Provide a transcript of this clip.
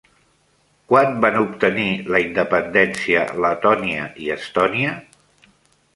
Quan van obtenir la independència Letònia i Estònia?